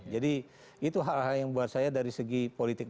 jadi itu hal hal yang buat saya dari segi politik